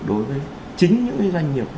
đối với chính những cái doanh nghiệp